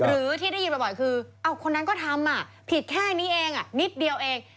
หรือที่ได้ยินบ่อยคือคนนั้นก็ทำผิดแค่นี้เองนิดเดียวเอง